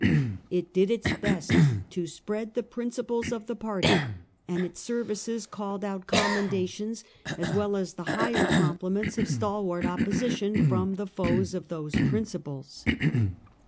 It did its best to spread the principles of the party, and its ser\'ices called out commendations, as well as the higher compliments of stalwart opposition from the foes of those principles.